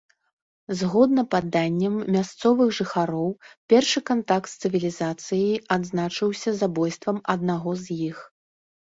Згодна паданням мясцовых жыхароў, першы кантакт з цывілізацыяй адзначыўся забойствам аднаго з іх.